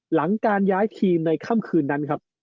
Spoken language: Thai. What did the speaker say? หลังการย้ายทีมในค่ำคืนนั้นครับ